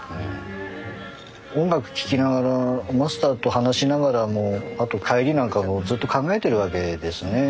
音楽聴きながらマスターと話しながらもあと帰りなんかもずっと考えてるわけですね。